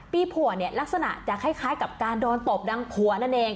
ผัวเนี่ยลักษณะจะคล้ายกับการโดนตบดังผัวนั่นเอง